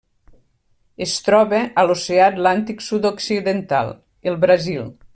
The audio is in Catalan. Es troba a l'Oceà Atlàntic sud-occidental: el Brasil.